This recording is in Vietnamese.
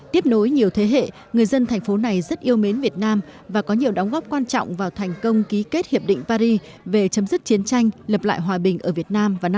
tiếp nối nhiều thế hệ người dân thành phố này rất yêu mến việt nam và có nhiều đóng góp quan trọng vào thành công ký kết hiệp định paris về chấm dứt chiến tranh lập lại hòa bình ở việt nam vào năm hai nghìn hai mươi